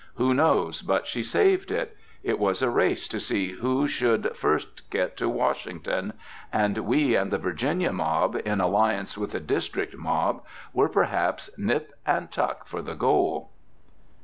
Who knows but she saved it? It was a race to see who should first get to Washington, and we and the Virginia mob, in alliance with the District mob, were perhaps nip and tuck for the goal.